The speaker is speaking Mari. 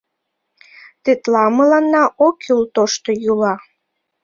Тетла мыланна ок кӱл тошто йӱла.